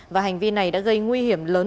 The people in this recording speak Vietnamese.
và hành vi này đã gây nguy hiểm lớn